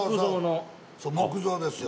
そう木造ですよ